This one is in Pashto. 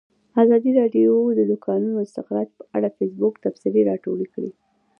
ازادي راډیو د د کانونو استخراج په اړه د فیسبوک تبصرې راټولې کړي.